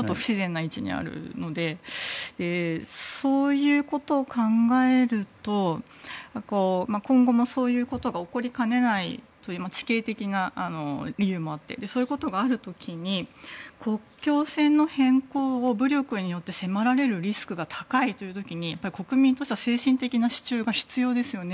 そういうことを考えると今後もそういうことも起こりかねないということが地形的な理由もあってそういうことがある時に国境線の変更を武力によって迫られるリスクが高い時に国民としては精神的な支柱が必要ですよね。